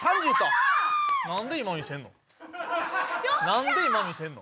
なんで今見せんの？